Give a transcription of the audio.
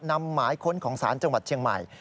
นำหมายค้นของศาลจังหวัดเชียงใหม่